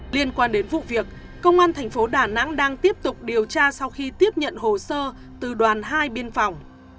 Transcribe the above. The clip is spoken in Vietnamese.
liên quan đến vụ việc công an thành phố đà nẵng đang tiếp tục điều tra sau khi tiếp nhận hồ sơ từ đoàn hai biên phòng